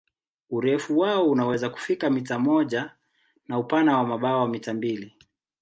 Urefu wao unaweza kufika mita moja na upana wa mabawa mita mbili.